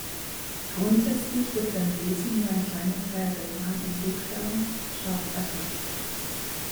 Grundsätzlich wird beim Lesen nur ein kleiner Teil der vorhandenen Buchstaben scharf erfasst.